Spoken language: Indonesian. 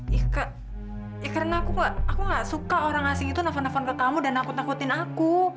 ika karena aku gak suka orang asing itu nelfon nelfon ke kamu dan aku takutin aku